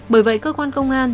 bởi vậy cơ quan công an